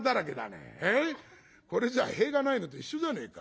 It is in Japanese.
これじゃあ塀がないのと一緒じゃねえか。